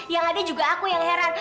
ya gak ada juga aku yang heran